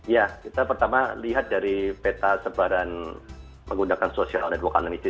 ya kita pertama lihat dari peta sebaran menggunakan sosial dan lokal nama ini